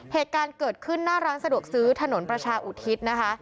เหตุการณ์เกิดขึ้นหน้าร้านสะดวกซื้อถนนประชาอุทิศนะคะ